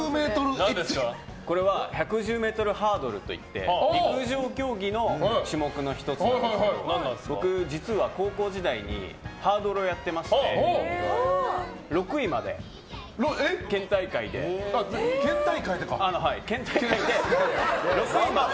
これは１１０ｍハードルといって陸上競技の種目の１つなんですけど僕、実は高校時代にハードルをやってまして県大会でか。